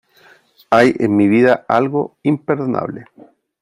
hay en mi vida algo imperdonable .